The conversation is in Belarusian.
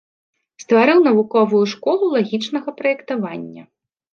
Стварыў навуковую школу лагічнага праектавання.